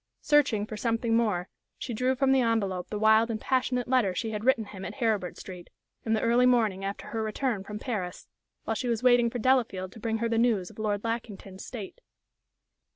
Searching for something more, she drew from the envelope the wild and passionate letter she had written him at Heribert Street, in the early morning after her return from Paris, while she was waiting for Delafield to bring her the news of Lord Lackington's state.